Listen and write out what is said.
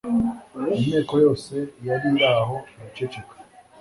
Inteko yose yari iri aho, iraceceka.